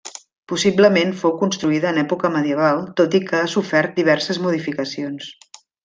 Possiblement fou construïda en època medieval tot i que ha sofert diverses modificacions.